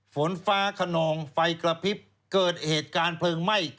ฝนฟ้าขนองไฟกระพริบเกิดเหตุการณ์เพลิงไหม้